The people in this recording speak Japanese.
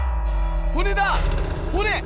骨だ骨！